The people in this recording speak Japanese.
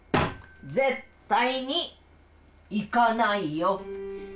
絶対に行かないよ！